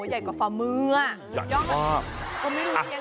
โหใหญ่กว่าฝ่ามือ